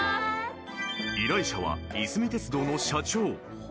［依頼者はいすみ鉄道の社長］